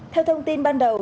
theo thông tin ban đầu